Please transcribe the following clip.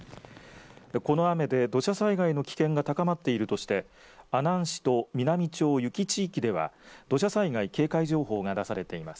この雨で土砂災害の危険が高まっているとして阿南市と美波町由岐地域では土砂災害警戒情報が出されています。